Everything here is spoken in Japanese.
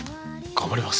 頑張ります。